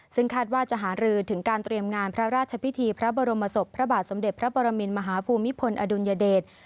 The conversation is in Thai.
ซึ่งคาดว่าจะหารือถึงการเตรียมงานพระราชพิธีพระบรมศพพระบาทสมเด็จพระปรมินมหาภูมิพลอดุลยเดช